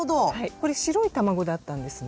これ白い卵だったんですね。